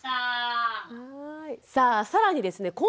さあ更にですね